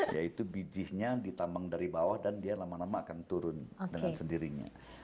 yaitu bijihnya ditambang dari bawah dan dia lama lama akan turun dengan sendirinya